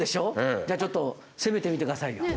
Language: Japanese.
じゃあちょっと攻めてみて下さいよ。